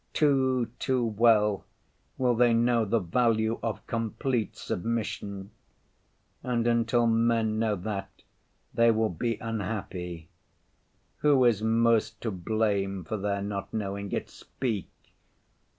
Too, too well will they know the value of complete submission! And until men know that, they will be unhappy. Who is most to blame for their not knowing it?—speak!